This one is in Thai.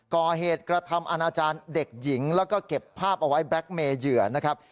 ก่อเหตุกระทำอาณาจารย์เด็กหญิงแล้วก็เก็บภาพเอาไว้แบล็คเมย์เหยื่อนะครับ